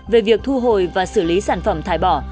về việc thu hồi và xử lý sản phẩm thải bỏ